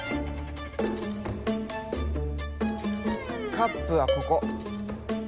カップはここ。